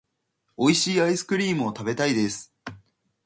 美味しいアイスクリームを食べたいです。